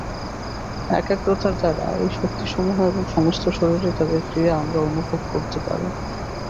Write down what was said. একাগ্রতার দ্বারা এই শক্তিসমূহ এবং সমস্ত শরীরে তাদের ক্রিয়া আমরা অনুভব করতে পারি।